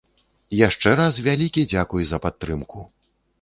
Яшчэ раз вялікі дзякуй за падтрымку!